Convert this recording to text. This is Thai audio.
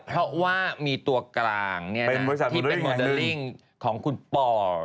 เพราะว่ามีตัวกลางที่เป็นโมเดลลิ่งของคุณปอ